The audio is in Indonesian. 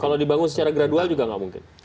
kalau dibangun secara gradual juga nggak mungkin